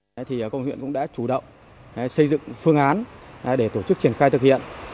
công an huyện bác quang đã chủ động xây dựng phương án để tổ chức triển khai thực hiện